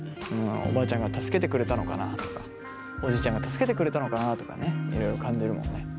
おばあちゃんが助けてくれたのかなとかおじいちゃんが助けてくれたのかなとかねいろいろ感じるもんね。